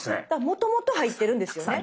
もともと入ってるんですよね？